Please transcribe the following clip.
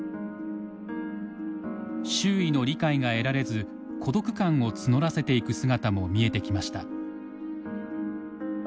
周囲の理解が得られず孤独感を募らせていく姿も見えてきました。